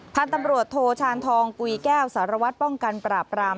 พันธุ์ตำรวจโทชานทองกุยแก้วสารวัตรป้องกันปราบราม